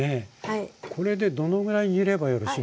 これでどのぐらい煮ればよろしいんですか？